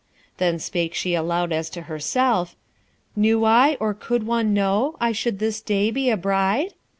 Then spake she aloud as to herself, 'Knew I, or could one know, I should this day be a bride?'